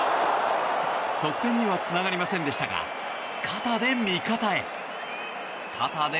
得点にはつながりませんでしたが肩で味方へ。